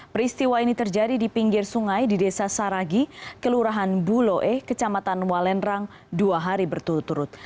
peristiwa ini terjadi di pinggir sungai di desa saragi kelurahan buloe kecamatan walenrang dua hari berturut turut